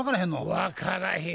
分からへん。